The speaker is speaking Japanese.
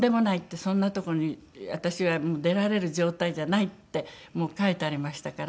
「そんなとこに私は出られる状態じゃない」って書いてありましたから。